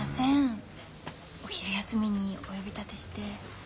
お昼休みにお呼びだてして。